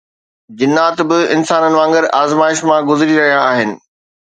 جنات به انسانن وانگر آزمائشن مان گذري رهيا آهن